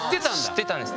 知ってたんです。